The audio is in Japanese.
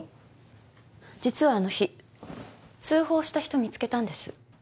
実はあの日通報した人見つけたんです。